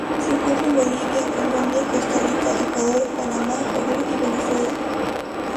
Se encuentra en Bolivia, Colombia, Costa Rica, Ecuador, Panamá, Perú y Venezuela.